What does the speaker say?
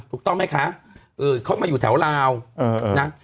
ถูกต้องไหมคะเออเขามาอยู่แถวลาวเออเออ